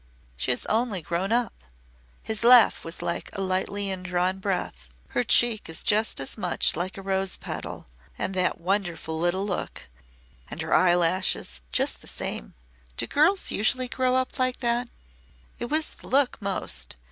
"She has only grown up." His laugh was like a lightly indrawn breath. "Her cheek is just as much like a rose petal. And that wonderful little look! And her eyelashes. Just the same! Do girls usually grow up like that? It was the look most.